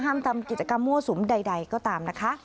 ทำกิจกรรมมั่วสุมใดก็ตามนะคะ